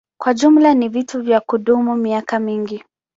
Kwa jumla ni vitu vya kudumu miaka mingi.